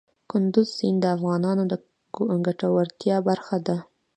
کندز سیند د افغانانو د ګټورتیا برخه ده.